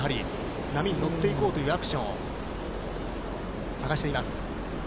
波に乗って行こうというアクションを探しています。